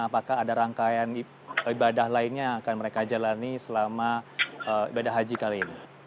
apakah ada rangkaian ibadah lainnya yang akan mereka jalani selama ibadah haji kali ini